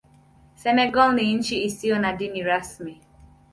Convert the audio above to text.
Senegal ni nchi isiyo na dini rasmi.